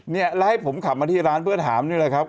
เนี่ยแล้วให้ผมขับมาที่ร้านเพื่อนถามนี่แหละครับ